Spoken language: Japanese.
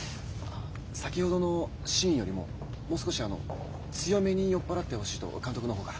先ほどのシーンよりももう少し強めに酔っ払ってほしいと監督の方から。